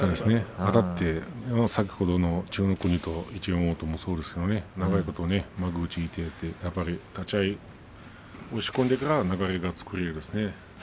あたって先ほどの千代の国と一山本もそうですが長いこと幕内にいてやっぱり立ち合い押し込んでから流れを作るんですね。